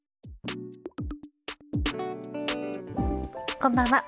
こんばんは。